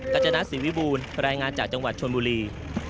กัจจนัดสิวิบูลรายงานจากจังหวัดชนบุรี